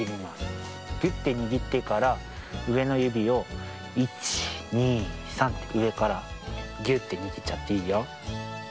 ぎゅってにぎってからうえのゆびを１２３ってうえからぎゅってにぎっちゃっていいよ。